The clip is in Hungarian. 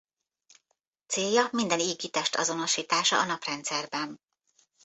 Célja minden égitest azonosítása a Naprendszerben.